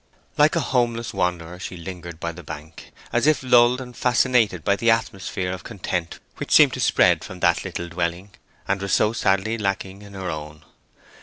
Like a homeless wanderer she lingered by the bank, as if lulled and fascinated by the atmosphere of content which seemed to spread from that little dwelling, and was so sadly lacking in her own.